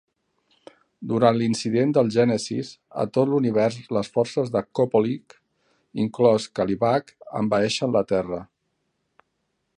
Durant l'incident del "Gènesi" a tot l'univers, les forces d'Apokolips, inclòs Kalibak, envaeixen la Terra.